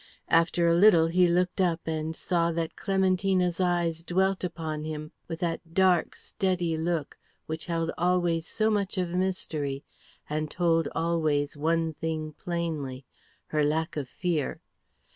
After a little he looked up and saw that Clementina's eyes dwelt upon him with that dark steady look, which held always so much of mystery and told always one thing plainly, her lack of fear.